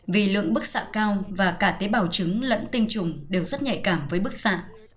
vì lượng bức xạ cao và cả tế bào trứng lẫn tinh trùng đều rất nhạy cảm với bức xạ